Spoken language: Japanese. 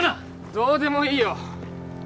どうでもいいよ